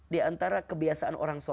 diantara kebiasaan orang soleh itu